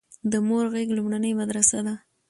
د مور غيږ لومړنۍ مدرسه ده